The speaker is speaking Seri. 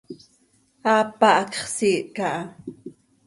Aapa, hacx siih caha.